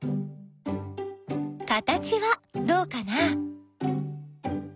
形はどうかな？